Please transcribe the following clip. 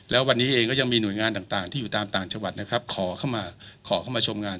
แล้ววันนี้เองก็ยังมีหน่วยงานต่างที่อยู่ตามต่างจังหวัดนะครับขอเข้ามาขอเข้ามาชมงาน